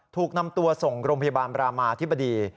ถูกนำตัวส่งโรงพยาบาลบรามาธิบดี